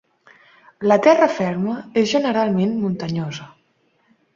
La terra ferma és generalment muntanyosa.